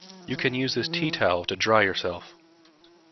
You can use this teatowel to dry yourself.